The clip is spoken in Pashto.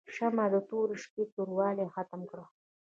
شمعه د تورې شپې توروالی ختم کړ.